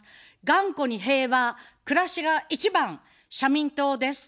がんこに平和、くらしが一番、社民党です。